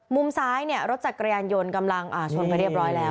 มุมซ้ายรถจักรยานยนต์กำลังชนไปเรียบร้อยแล้ว